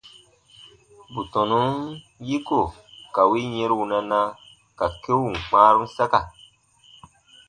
Bù tɔnun yiko ka win yɛ̃ru wunana, ka keun kpãarun saka.